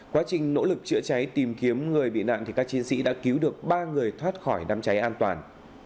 quá trình nỗ lực chữa cháy tìm kiếm người bị nạn các chiến sĩ đã cứu được ba người thoát khỏi đám cháy an toàn